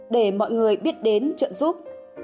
để mọi người biết đến trợ giúp